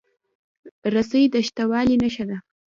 رسۍ د شته والي نښه ده.